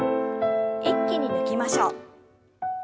一気に抜きましょう。